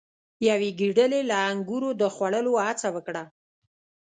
یوې ګیدړې له انګورو د خوړلو هڅه وکړه.